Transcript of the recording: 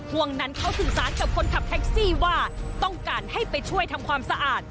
ห่วงนั้นเขาสื่อสารกับคนขับแท็กซี่ว่าต้องการให้ไปช่วยทำความสะอาด